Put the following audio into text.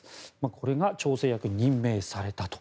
これが調整役に任命されたと。